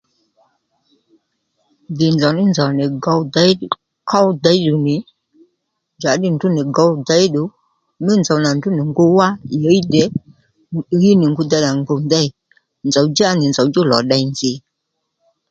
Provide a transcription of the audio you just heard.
Dhì nzò ní nzòw nì gǒw ków dèyddù ní njǎddí ndrǔ nì gòw děyddù mí nzòw nà ndrǔ nì ngu wá ì ɦíy dè ì ɦíy nì ngu dey rà ngu dey nzòw djá nì nzòw djú lò ddey nzǐ